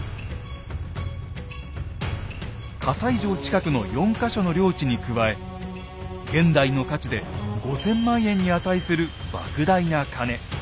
西城近くの４か所の領地に加え現代の価値で５，０００万円に値する莫大な金。